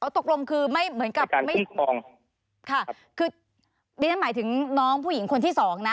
อ๋อตกลงคือไม่เหมือนกับค่ะคือนี่หมายถึงน้องผู้หญิงคนที่๒นะ